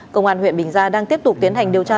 công an huyện bình giang đang tiếp tục tiến hành điều tra